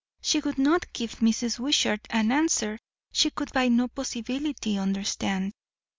She would not give Mrs. Wishart an answer she could by no possibility understand.